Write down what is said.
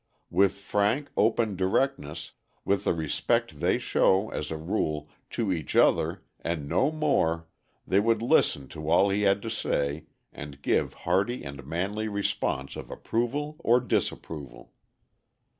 With frank, open directness, with the respect they show, as a rule, to each other, and no more, they would listen to all he had to say and give hearty and manly response of approval or disapproval.